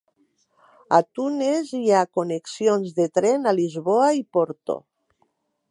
A Tunes hi ha connexions de tren a Lisboa i Porto.